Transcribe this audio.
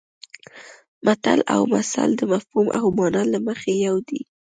متل او مثل د مفهوم او مانا له مخې یو دي